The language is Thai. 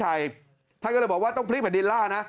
ท่านผู้บังคับข่ายต่อปารับวิชัยถูกว่าต้องพลิกภรรณินร่านะ